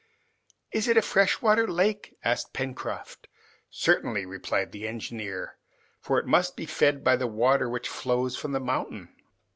"Is it a freshwater lake?" asked Pencroft. "Certainly," replied the engineer, "for it must be fed by the water which flows from the mountain."